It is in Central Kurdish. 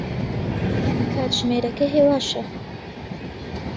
کاتژمێرەکە هێواشە.